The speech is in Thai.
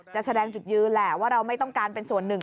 แสดงจุดยืนแหละว่าเราไม่ต้องการเป็นส่วนหนึ่ง